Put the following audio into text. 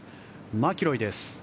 マキロイです。